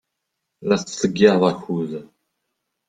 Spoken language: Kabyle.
La tettḍeyyiɛ akud.